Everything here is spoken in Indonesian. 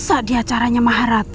masa di acaranya maharatu